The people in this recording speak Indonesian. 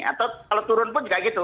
atau kalau turun pun juga gitu